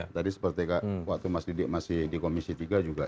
tadi seperti waktu mas didik masih di komisi tiga juga